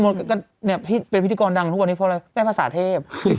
หนูพูดไม่มดก็เนี่ยเป็นพิธีกรดังทุกวันนี้เพราะว่าได้ภาษาเทพ